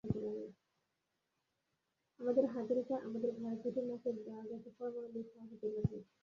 আমাদের হাতের ওপর, আমাদের ঘাড়ে-পিঠে, নাকের ডগাতে, পরম আনন্দে সওয়ার হতে লাগল।